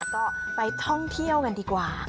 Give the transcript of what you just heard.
ก็ไปท่องเที่ยวกันดีกว่า